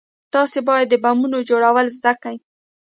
تاسې بايد د بمونو جوړول زده كئ.